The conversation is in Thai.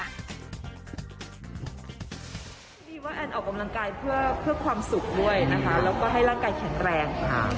พี่ว่าแอนออกกำลังกายเพื่อความสุขด้วยนะคะแล้วก็ให้ร่างกายแข็งแรง